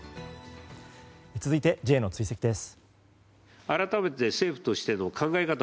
続いて、Ｊの追跡です。